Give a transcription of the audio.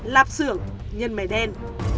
lạp xưởng nhân mẻ đen